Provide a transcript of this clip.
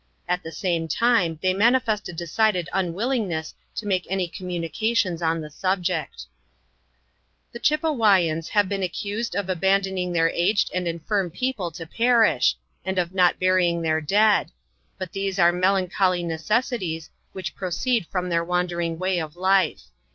At the same time they manifest a decided unwilling ness to make any communications on the subject. The Chepewyans have beon accused of abandoning their aged arid imfirm people to perish, and of not burying their dsad; but these are melancholly necessities, which procee from their wandering way of life.